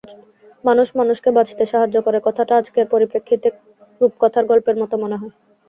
মানুষ মানুষকে বাঁচতে সাহায্য করে, কথাটা আজকের পরিপ্রেক্ষিতে রূপকথার গল্পের মতো মনে হয়।